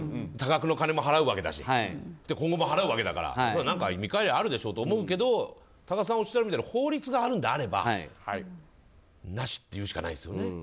多額の金も払うわけだし今後も払うわけだから何か見返りはあるでしょうと思うけど多賀さんがおっしゃるみたいに法律があるのであればなしというしかないですよね。